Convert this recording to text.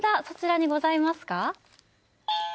そちらにございますか？